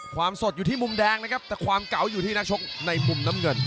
สดอยู่ที่มุมแดงนะครับแต่ความเก่าอยู่ที่นักชกในมุมน้ำเงิน